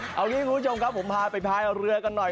เอางี้คุณผู้ชมครับผมพาไปพายเรือกันหน่อย